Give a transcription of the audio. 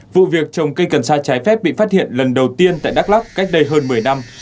vụ việc trồng cây cần sa trái phép bị phát hiện lần đầu tiên tại đắk lắc cách đây hơn một mươi năm